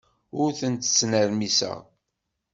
Ur ten-ttnermiseɣ.